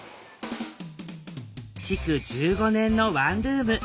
築１５年のワンルーム。